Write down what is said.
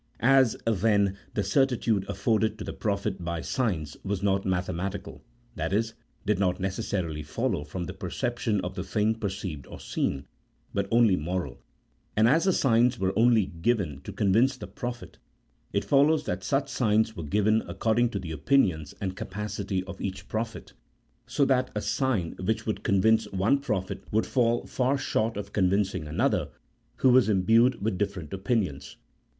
As, then, the certitude afforded to the prophet by signs was not mathematical (i.e. did not necessarily follow from the per ception of the thing perceived or seen), but only moral, and as the signs were only given to convince the prophet, it follows that such signs were given according to the opinions and capacity of each prophet, so that a sign which would "30 A THEOLOGICO POLITICAL TBEATISE. [CHAP. II. convince one prophet would fall far short of convincing another who was imbued with different opinions.